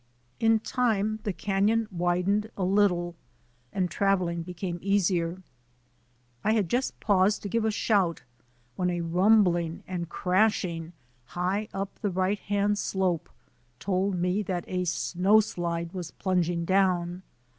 In time the canon widened a little and travelling became easier. I had just paused to give a shout when a rumbling and crashing high up the right hand slope told me that a snowslide was plunging down.